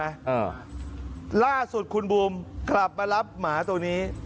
อ่าล่าสุดคุณบูมกลับมารับหมาตัวนี้